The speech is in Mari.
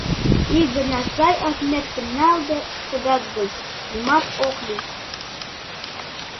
Ик гана сай отметкым налде кодат гын, нимат ок лий.